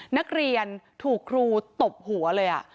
นักเรียนถูกครูตบหัวเลย